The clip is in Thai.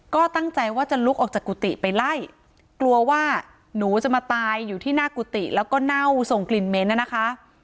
ก็ตั้งใจว่าจะลุกออกจากกุฏิไปไล่กลัวว่าหนูจะมาตายอยู่ที่หน้ากุฏิแล้วก็เน่าส่งกลิ่นเหม็นน่ะนะคะ